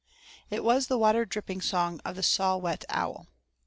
It was the 'water dripping' song of the saw whet owl.